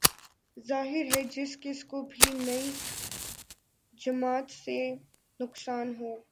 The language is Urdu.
ظاہر ہے جس کس کو بھی نئی جماعت سے نقصان ہو